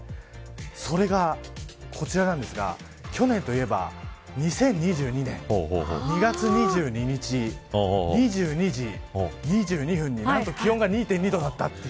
それが、こちらなんですが去年といえば、２０２２年２月２２日２２時２２分になんと気温が２．２度だったという。